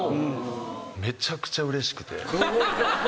めちゃくちゃうれしくて。